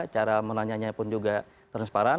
cara menanya pun juga transparan